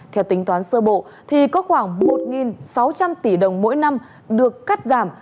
theo tính toán sơ bộ thì có khoảng một sáu trăm linh tỷ đồng mỗi năm được cắt giảm